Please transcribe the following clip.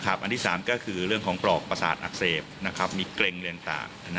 อันที่๓ก็คือเรื่องของปลอกประสาทอักเสบมีเกร็งอะไรต่าง